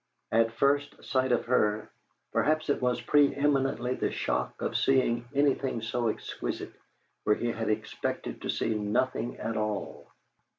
At first sight of her, perhaps it was pre eminently the shock of seeing anything so exquisite where he had expected to see nothing at all.